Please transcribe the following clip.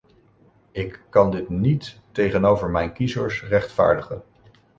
Ik kan dit niet tegenover mijn kiezers rechtvaardigen.